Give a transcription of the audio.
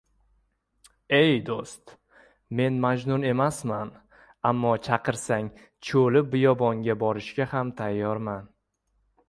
• Ey, do‘st! Men Majnun emasman, ammo chaqirsang cho‘li biyobonga borishga ham tayyorman.